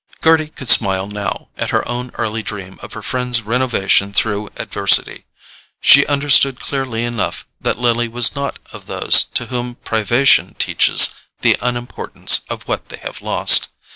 Gerty could smile now at her own early dream of her friend's renovation through adversity: she understood clearly enough that Lily was not of those to whom privation teaches the unimportance of what they have lost.